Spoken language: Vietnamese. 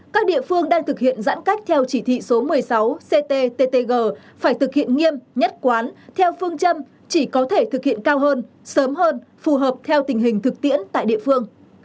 các địa phương đang thực hiện giãn cách theo chỉ thị số một mươi sáu cttg phải thực hiện nghiêm nhất quán theo phương châm chỉ có thể thực hiện cao hơn sớm hơn phù hợp theo tình hình thực tiễn tại địa phương